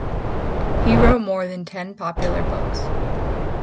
He wrote more than ten popular books.